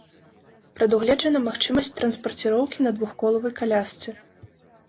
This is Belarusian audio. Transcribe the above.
Прадугледжана магчымасць транспарціроўкі на двухколавай калясцы.